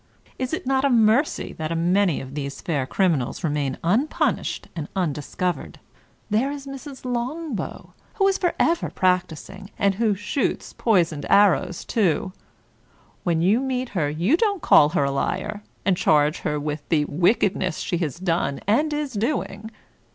Is it not a mercy that a many of these fair criminals remain unpunished and undiscovered! There is Mrs. Longbow, who is forever practicing, and who shoots poisoned arrows, too ; when you meet her you don't call her liar, and charge her with the wickedness she has done and is doing.